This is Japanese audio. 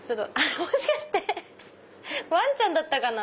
もしかしてワンちゃんだったかな？